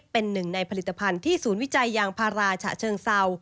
เป็นหนึ่งในผลิตภัณฑ์ที่ศูนย์วิจัยยางพาราฉะเชิงเศร้า